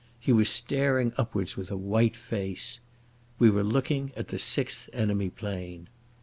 He was staring upwards with a white face. We were looking at the sixth enemy plane.